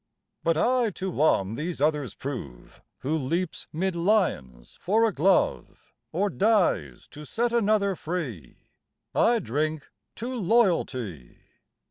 But I to one these others prove, Who leaps 'mid lions for a glove, Or dies to set another free I drink to Loyalty.